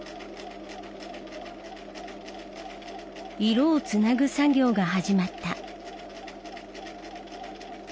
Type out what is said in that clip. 色をつなぐ作業が始まった。